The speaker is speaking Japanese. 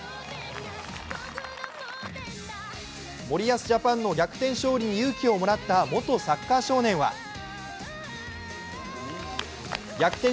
森保ジャパンの逆転勝利に勇気をもらった元サッカー少年は逆転